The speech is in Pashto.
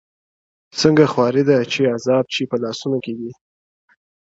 څنگه خوارې ده چي عذاب چي په لاسونو کي دی